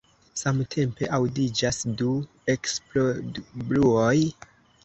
Samtempe aŭdiĝas du eksplodbruoj.